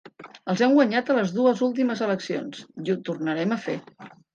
Els hem guanyat a les dues últimes eleccions, i ho tornarem a fer!